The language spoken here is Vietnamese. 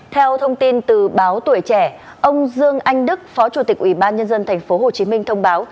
theo thông tin từ báo tuổi trẻ ông dương anh đức phó chủ tịch ủy ban nhân dân tp hcm thông báo